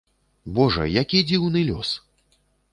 Божа, які дзіўны лёс!